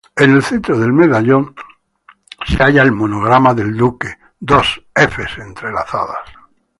En el centro del medallón se halla el monograma del duque, dos "F" entrelazadas.